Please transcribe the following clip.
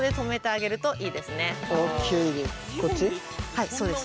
はいそうです。